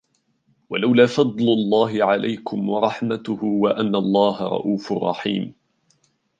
ولولا فضل الله عليكم ورحمته وأن الله رءوف رحيم